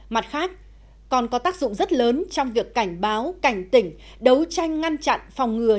mặt khác còn có tác dụng rất lớn trong việc cảnh báo cảnh tỉnh đấu tranh ngăn chặn phòng ngừa